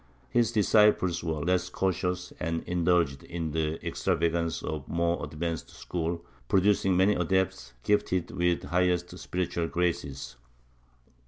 ^ His disciples were less cautious and indulged in the extravagance of the more advanced school, producing many adepts gifted with the highest spiritual graces.